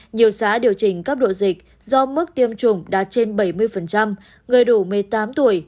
nhiều xã điều chỉnh cấp độ dịch do mức tiêm chủng đạt trên bảy mươi người đủ một mươi tám tuổi